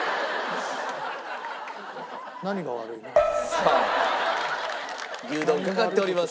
さあ牛丼かかっております。